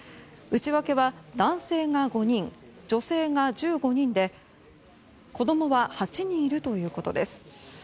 内訳は男性が５人、女性が１５人で子供は８人いるということです。